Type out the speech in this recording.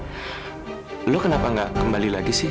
andre lu kenapa gak kembali lagi sih